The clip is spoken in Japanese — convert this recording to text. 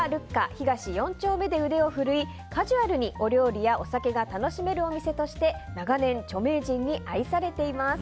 東４丁目で腕を振るいカジュアルにお料理やお酒が楽しめるお店として長年、著名人に愛されています。